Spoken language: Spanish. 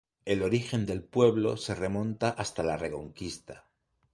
El origen del pueblo se remonta hasta la Reconquista.